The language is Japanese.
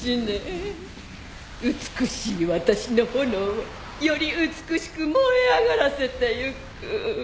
美しい私の炎をより美しく燃え上がらせてゆく。